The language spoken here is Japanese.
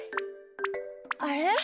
あれ？